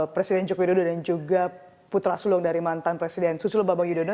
presiden joko widodo dan juga putra sulung dari mantan presiden susilo bambang yudhoyono